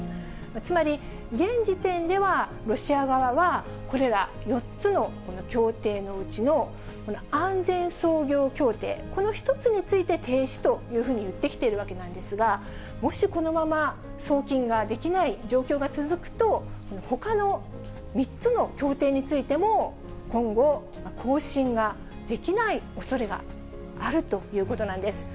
つまり、現時点ではロシア側は、これら４つのこの協定のうちの安全操業協定、この１つについて停止というふうに言ってきているわけなんですが、もし、このまま送金ができない状況が続くと、ほかの３つの協定についても今後、更新ができないおそれがあるということなんです。